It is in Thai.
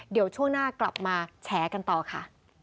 เดี๋ยวช่วงหน้ากลับมาแฉกันต่อค่ะ